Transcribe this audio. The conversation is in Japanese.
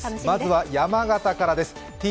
まずは山形からです